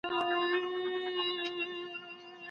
ما ستا د ژوند سره ژوندون وتاړه